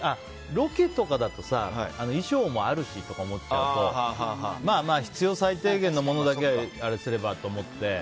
ロケとかだと衣装もあるしとか思っちゃうとまあ必要最低限のものだけあれすればと思って。